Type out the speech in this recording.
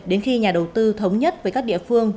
đến khi nhà đầu tư thống nhất với các địa phương